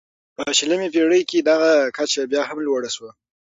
په شلمې پېړۍ کې دغه کچه بیا هم لوړه شوه.